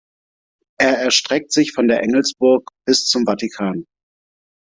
Er erstreckt sich von der Engelsburg bis zum Vatikan.